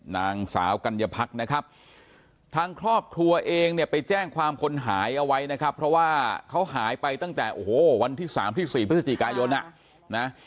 นางสาวกัญญาพักนะครับทางครอบครัวเองเนี่ยไปแจ้งความคนหายเอาไว้นะครับเพราะว่าเขาหายไปตั้งแต่โอ้โหวันที่๓ที่๔พฤศจิกายนอ่ะนะ